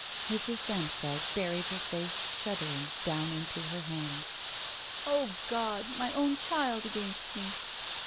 Mrs. Samstag buried her face, shuddering, down into her hands. O God! My own child against me!"